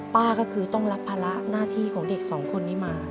ป้าก็คือต้องรับภาระหน้าที่ของเด็กสองคนนี้มา